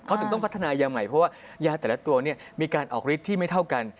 เขาถึงต้องพัฒนายาใหม่เพราะว่ายาแต่ละตัวมีการออกฤทธิ์ที่ไม่เท่ากัน